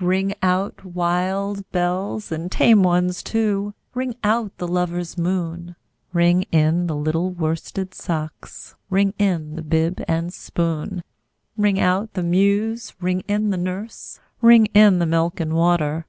Ring out, wild bells, and tame ones too! Ring out the lover's moon! Ring in the little worsted socks! Ring in the bib and spoon! Ring out the muse! ring in the nurse! Ring in the milk and water!